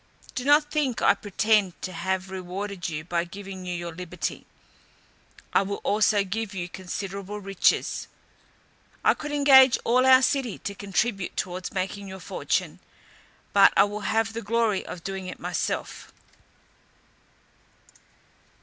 Do not think I pretend to have rewarded you by giving you your liberty, I will also give you considerable riches. I could engage all our city to contribute towards making your fortune, but I will have the glory of doing it myself."